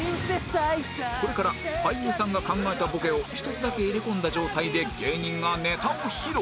これから俳優さんが考えたボケを１つだけ入れ込んだ状態で芸人がネタを披露